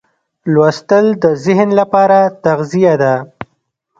لوستل د ذهن لپاره تغذیه ده.